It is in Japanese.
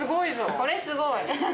これすごい。